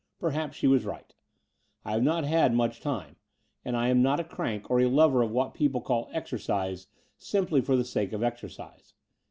Perhaps she was right. I had not had much time ; and I am not a crank or a lover of what people call exercise simply for the sake of exercise.